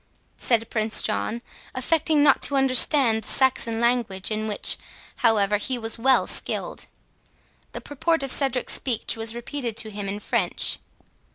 said Prince John, affecting not to understand the Saxon language, in which, however, he was well skilled. The purport of Cedric's speech was repeated to him in French.